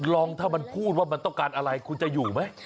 ลองถ้ามันพูดว่ามันต้องการอะไรคุณจะอยู่ไหม